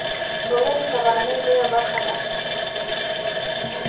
اوړه د سهارنۍ لویه برخه ده